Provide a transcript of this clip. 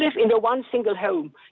kita tinggal di satu rumah